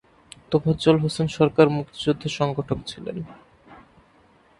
তোফাজ্জল হোসেন সরকার মুক্তিযুদ্ধের সংগঠক ছিলেন।